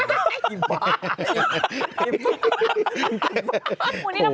อีบบอร์